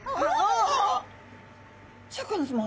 シャーク香音さま。